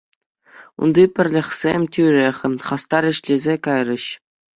Унти пӗрлӗхсем тӳрех хастар ӗҫлесе кайрӗҫ.